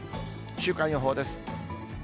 週間予報です。